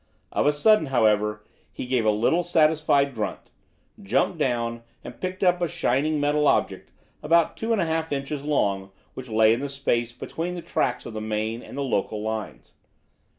Of a sudden, however, he gave a little satisfied grunt, jumped down, and picked up a shining metal object, about two and a half inches long, which lay in the space between the tracks of the main and the local lines.